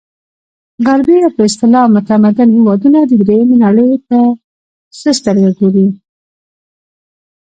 غربي یا په اصطلاح متمدن هېوادونه درېیمې نړۍ ته په څه سترګه ګوري.